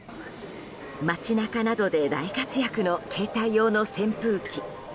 街中などで大活躍の携帯用の扇風機。